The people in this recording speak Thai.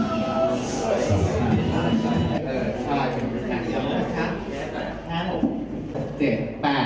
สุดท้ายก็ไม่มีเวลาที่จะรักกับที่อยู่ในภูมิหน้า